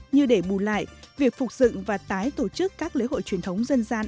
như để bù lại việc phục dựng và tái tổ chức các lễ hội truyền thống dân gian